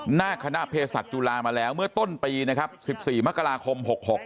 หน้าคณะเพศัตว์จุฬามาแล้วเมื่อต้นปีนะครับ๑๔มกราคม๖๖